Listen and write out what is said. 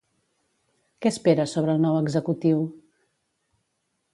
Què espera sobre el nou executiu?